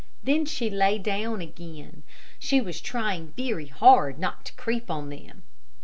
Then she lay down again. She was trying very hard not to creep on them.